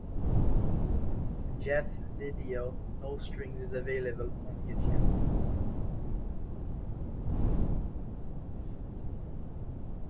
Jeffs video "No Strings" is available on YouTube.